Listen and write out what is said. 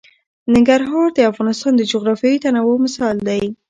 ننګرهار د افغانستان د جغرافیوي تنوع مثال دی.